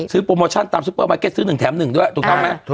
ซื้อโปรโมชั่นตามซูเปอร์มาร์เก็ตซื้อหนึ่งแถมหนึ่งด้วยถูกต้องไหม